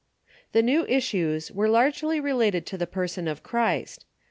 ] The new issues were largely related to the person of Christ.